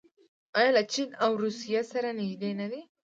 آیا له چین او روسیې سره نږدې نه دي؟